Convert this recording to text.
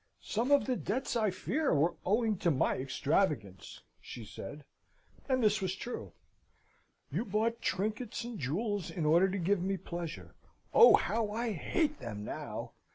"Some of the debts, I fear, were owing to my extravagance!" she said (and this was true). "You bought trinkets and jewels in order to give me pleasure. Oh, how I hate them now!